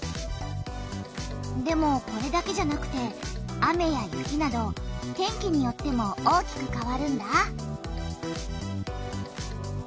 でもこれだけじゃなくて雨や雪など天気によっても大きくかわるんだ。